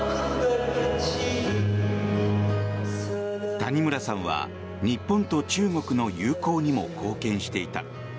谷村さんは日本と中国の友好にも貢献していた。